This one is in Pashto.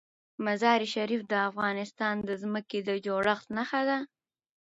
مزارشریف د افغانستان د ځمکې د جوړښت نښه ده.